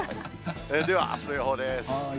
ではあすの予報です。